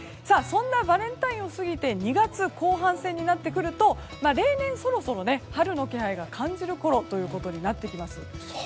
そんなバレンタインを過ぎて２月後半戦になってくると例年、そろそろ春の気配が感じられるころということになっています。